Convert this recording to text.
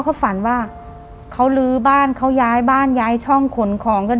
เขาฝันว่าเขาลื้อบ้านเขาย้ายบ้านย้ายช่องขนของกัน